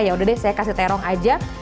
yaudah deh saya kasih terong aja